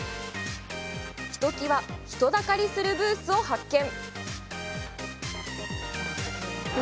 ひときわ人だかりするブースを発見。